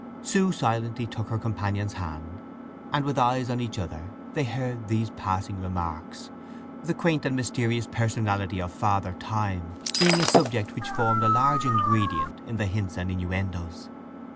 Sue silently took her companion's hand, and with eyes on each other they heard these passing remarks—the quaint and mysterious personality of Father Time being a subject which formed a large ingredient in the hints and innuendoes.